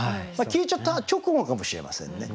消えちゃった直後かもしれませんね。